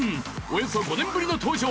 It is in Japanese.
およそ５年ぶりの登場！